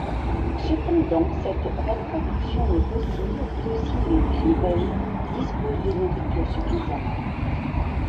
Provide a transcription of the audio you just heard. Cependant, cette reproduction n'est possible que si les Tribbles disposent de nourriture suffisante.